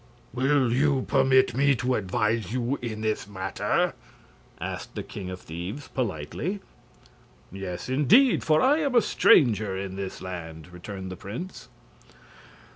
"Will you permit me to advise you in this matter?" asked the king of thieves, politely. "Yes, indeed; for I am a stranger in this land," returned the prince.